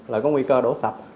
là có nguy cơ đổ sạch